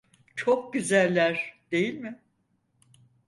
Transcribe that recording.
Çok güzeller, değil mi?